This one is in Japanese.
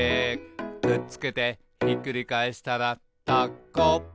「くっつけてひっくり返したらタコ」